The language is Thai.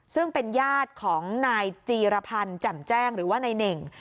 ซึ่งเป็นญาติของนายจีรพันธ์แจ่มแจ้งหรือว่านายเน่ง